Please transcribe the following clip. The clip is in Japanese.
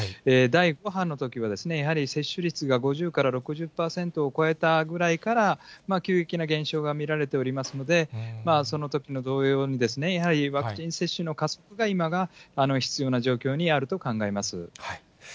第５波のときは、やはり接種率が５０から６０％を超えたぐらいから、急激な減少が見られておりますので、そのときと同様に、やはりワクチン接種の加速が、今は必要な状況にあると考えます。